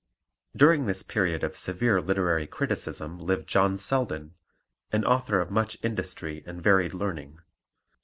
During this period of severe literary criticism lived John Selden, an author of much industry and varied learning.